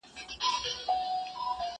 کتابونه د زده کوونکو له خوا لوستل کيږي!؟